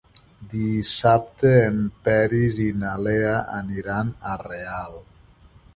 Dissabte en Peris i na Lea aniran a Real.